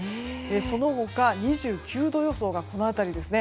その他２９度予想がこの辺りですね。